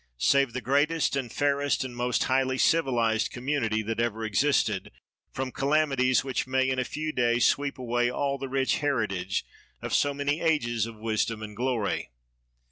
Save the greatest, and fairest, and most highly civi lized community that ever existed, from calami ties which may in a few days sweep away all the rich heritage of so many ages of wisdom and glory.